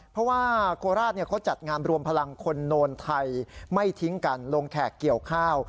เพราะว่าโคราชเขาจัดงานรวมพลังคนโนนไทยไม่ทิ้งกันลงแขกเกี่ยวข้าว